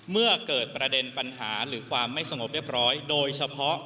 เมื่อเกิดประเด็นปัญหาหรือความไม่สงบเรียบร้อยโดยเฉพาะ